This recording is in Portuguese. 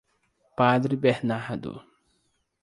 Padre Bernardo